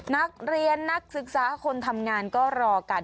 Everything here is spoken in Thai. นักเรียนนักศึกษาคนทำงานก็รอกัน